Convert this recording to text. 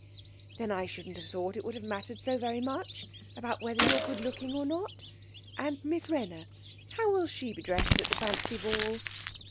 Then I shouldn't have thought it would have mattered so very much about whether you're good looking or not. And Miss Wrenner how will she be dressed at the fancy ball?'